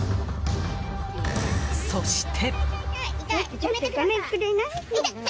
そして。